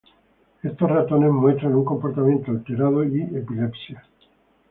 Estos ratones muestran un comportamiento alterado y epilepsia.